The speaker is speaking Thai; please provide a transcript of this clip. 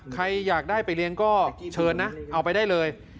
ใครอยากได้ไปเลี้ยงก็เชิญนะเอาไปได้เลย